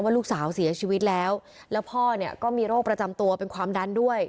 ลูกสาวเสียชีวิตแล้วแล้วพ่อเนี่ยก็มีโรคประจำตัวเป็นความดันด้วย